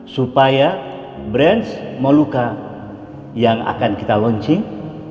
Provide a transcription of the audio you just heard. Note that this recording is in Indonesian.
supaya brand molucca yang akan kita launching